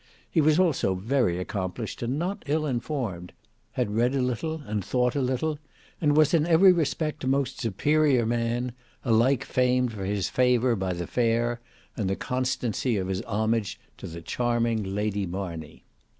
He was also very accomplished, and not ill informed; had read a little, and thought a little, and was in every respect a most superior man; alike famed for his favour by the fair, and the constancy of his homage to the charming Lady Marney.